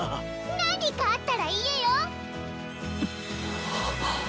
何かあったら言えよ！